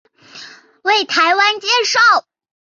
为台湾接受正统水稻遗传与育种训练的先驱之一。